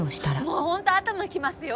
もうほんと頭きますよ。